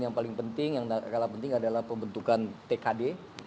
yang paling penting adalah pembentukan tkd